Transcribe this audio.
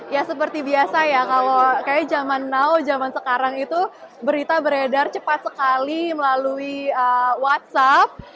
ya seperti biasa ya kalau kayaknya zaman now zaman sekarang itu berita beredar cepat sekali melalui whatsapp